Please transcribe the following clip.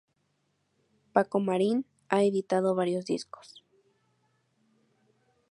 Paco Marín ha editado varios discos.